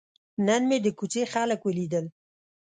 نن مې د کوڅې خلک ولیدل.